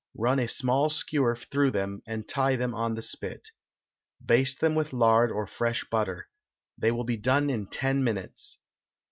Run a small skewer through them, and tie them on the spit. Baste them with lard or fresh butter. They will be done in ten minutes.